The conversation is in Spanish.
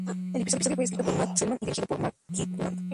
El episodio fue escrito por Matt Selman y dirigido por Mark Kirkland.